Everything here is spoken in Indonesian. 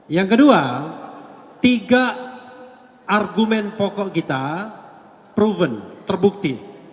yang kedua tiga argumen pokok kita proven terbukti